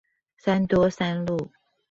三多三路